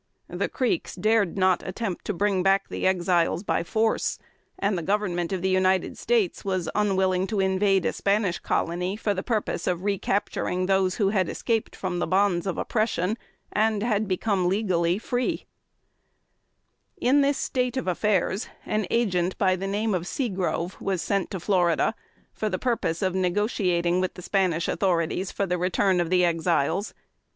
The Creeks dared not attempt to bring back the Exiles by force, and the Government of the United States was unwilling to invade a Spanish colony for the purpose of recapturing those who had escaped from the bonds of oppression, and had become legally free. [Sidenote: 1792.] In this state of affairs, an agent by the name of Seagrove was sent to Florida for the purpose of negotiating with the Spanish authorities for the return of the Exiles.